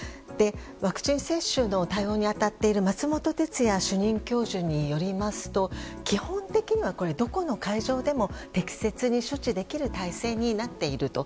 ワクチン接種の対応に当たっている松本哲哉主任教授によりますと基本的には、どこの会場でも適切に処置できる体制になっていると。